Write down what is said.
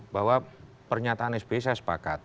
bahwa pernyataan sby saya sepakat